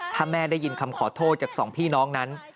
ถ้าแม่ได้ยินคำขอโทษจากสองพี่น้องนั้น